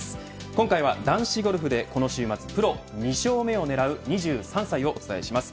今回は男子ゴルフでこの週末プロ２勝目を狙う２３歳をお伝えします。